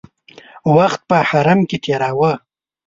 وخت په حرم کې تېراوه.